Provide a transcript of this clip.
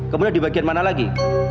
kemudian di bagian mana lagi